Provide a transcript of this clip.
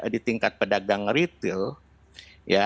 di tingkat pedagang retail ya